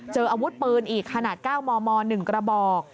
เจออาวุธปืนอีกขนาด๙มม๑กระบอก